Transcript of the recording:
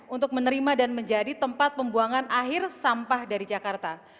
untuk menerima dan menjadi tempat pembuangan akhir sampah dari jakarta